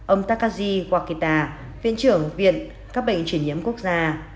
ông takashi wakita viện trưởng viện các bệnh chuyển nhiễm quốc gia